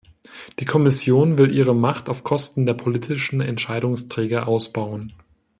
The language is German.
Die Kommission will ihre Macht auf Kosten der politischen Entscheidungsträger ausbauen.